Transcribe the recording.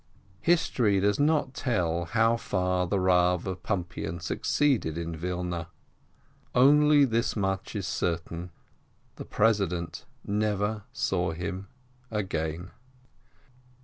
.." History does not tell how far the Rav of Pumpian succeeded in Wilna. Only this much is certain, the president never saw him again.